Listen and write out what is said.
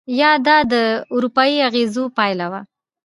یا دا د اروپایي اغېزو پایله وه؟